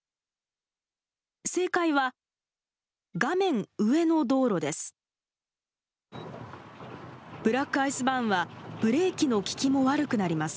正解は画面上の道路です。